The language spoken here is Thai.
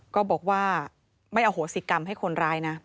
ก็บอกว่าไม่อโหสิกรรมให้คนร้ายนะ